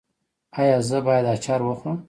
ایا زه باید اچار وخورم؟